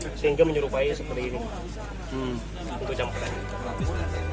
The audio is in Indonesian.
keterampilan para prajurit penjaga perbatasan indonesia republik demokratik timur leste ini